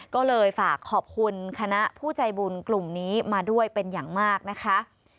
ก็เลยฝากขอบคุณคณะผู้ใจบุญกลุ่มนี้มาด้วยเป็นอย่างมากนะคะ